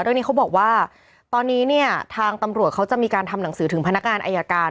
เรื่องนี้เขาบอกว่าตอนนี้เนี่ยทางตำรวจเขาจะมีการทำหนังสือถึงพนักงานอายการ